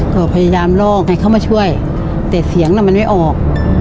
ก็พยายามลอกให้เขามาช่วยแต่เสียงน่ะมันไม่ออก